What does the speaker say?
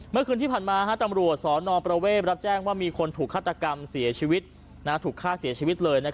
เมื่อคืนที่ผ่านมาตำรวจศนประเวศน์รับแจ้งว่ามีคนถูกฆ่าเสียชีวิตเลย